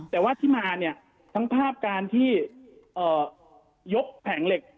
แต่ว่าที่มาเนี่ยทั้งภาพการที่ยกแผงเหล็ก